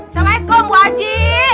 waalaikumsalam mbah aji